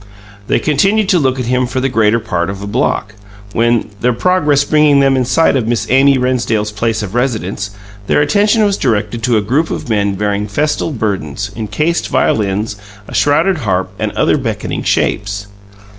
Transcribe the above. They continued to look at him for the greater part of block, when, their progress bringing them in sight of Miss Amy Rennsdale's place of residence their attention was directed to a group of men bearing festal burdens encased violins, a shrouded harp and other beckoning shapes.